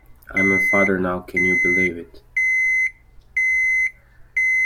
I am father now, can you believe it?